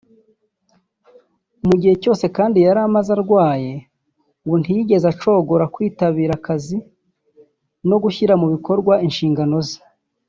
Mugihe cyose kandi yari amaze arwaye ngo ntiyigeze acogora kwitabira akazi no gushyira mu bikorwa inshingano ze